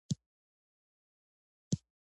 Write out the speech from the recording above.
موزیک د زلمي احساس ښيي.